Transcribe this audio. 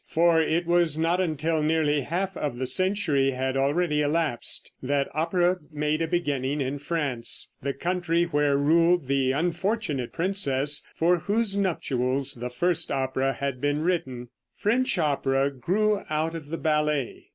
For it was not until nearly half of the century had already elapsed that opera made a beginning in France, the country where ruled the unfortunate princess for whose nuptials the first opera had been written. French opera grew out of the ballet.